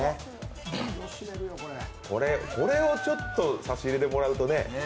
これをちょっと差し入れでもらうとね。